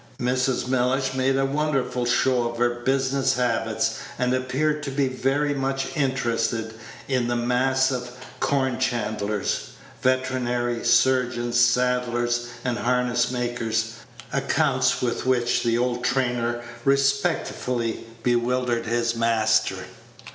Mrs. Mellish made a wonderful show of her business habits, and appeared to be very much interested in the mass of corn chandlers', veterinary surgeons', saddlers', and harness makers' accounts with which the old trainer respectfully bewildered his master.